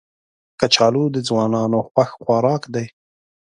کچالو د ځوانانو خوښ خوراک دی